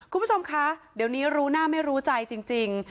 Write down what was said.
คุณผู้ชมคะเดี๋ยวนี้รู้หน้าไม่รู้ใจจริง